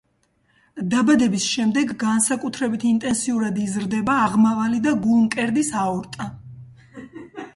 დაბადების შემდეგ განსაკუთრებით ინტენსიურად იზრდება აღმავალი და გულმკერდის აორტა.